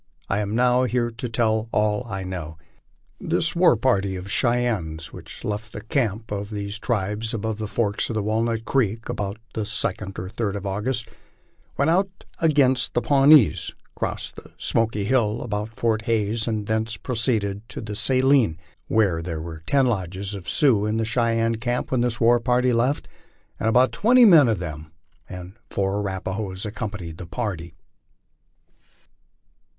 I am now here to tell you all I know. This war party of Cheyennes which left the camp of these tribes above the forks of Walnut creek about the 2d or 3d of August, went out against the Pawnees, crossed the Smoky Hill about Fort Hays, and thence pro ceeded to the Saline, where there were ten lodges of Sioux in the Cheyenne camp when this war party left, and about twenty men of them and four Ara 106 LIFE ON THE PLAINS. pahoes accompanied the party.